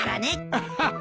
アハハ！